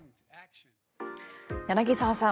柳澤さん